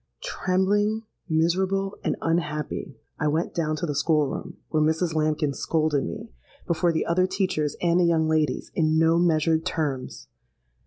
"Trembling, miserable, and unhappy, I went down to the school room, where Mrs. Lambkin scolded me, before the other teachers and the young ladies, in no measured terms.